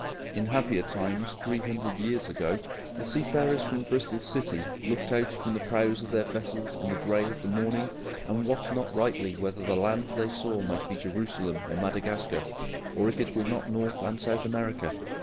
In happier times, three hundred years ago, the seafarers from Bristol City looked out from the prows of their vessels in the grey of the morning, and wot not rightly whether the land they saw might be Jerusalem or Madagascar, or if it were not North and South America.